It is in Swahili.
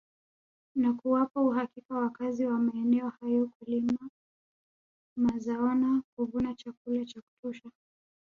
Na kuwapa uhakika wakazi wa maeneo hayo kulima mazaona kuvuna chakula cha kutosha